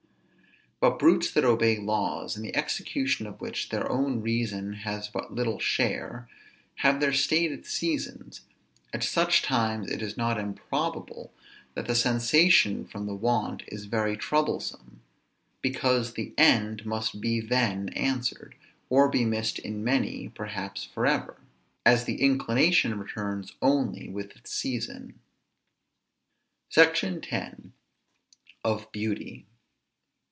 But brutes that obey laws, in the execution of which their own reason has but little share, have their stated seasons; at such times it is not improbable that the sensation from the want is very troublesome, because the end must be then answered, or be missed in many, perhaps forever; as the inclination returns only with its season. SECTION X. OF BEAUTY.